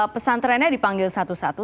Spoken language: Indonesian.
pesantrennya dipanggil satu satu